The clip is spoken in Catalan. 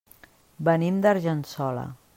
Venim d'Argençola.